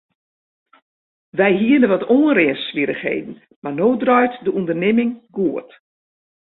Wy hiene wat oanrinswierrichheden mar no draait de ûndernimming goed.